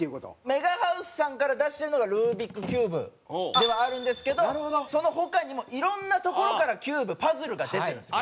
メガハウスさんから出してるのがルービックキューブではあるんですけどその他にもいろんなところからキューブパズルが出てるんですよ。